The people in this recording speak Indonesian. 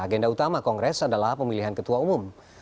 agenda utama kongres adalah pemilihan ketua umum